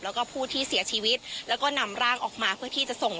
แล้วก็ผู้ที่เสียชีวิตแล้วก็นำร่างออกมาเพื่อที่จะส่ง